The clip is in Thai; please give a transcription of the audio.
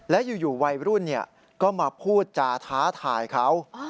และอยู่วัยรุ่นก็มาพูดจาท้าทายเขา